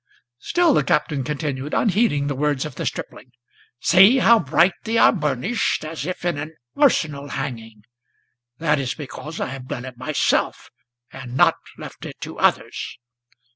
Still the Captain continued, unheeding the words of the stripling: "See, how bright they are burnished, as if in an arsenal hanging; That is because I have done it myself, and not left it to others.